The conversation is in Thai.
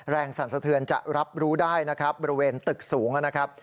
แรงสรรสเทือนจะรับรู้ได้บริเวณตึกสูงนะครับ